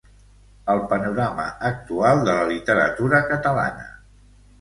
El panorama actual de la literatura catalana.